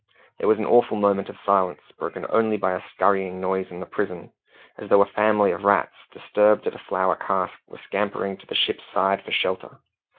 There was an awful moment of silence, broken only by a skurrying noise in the prison, as though a family of rats, disturbed at a flour cask, were scampering to the ship's side for shelter.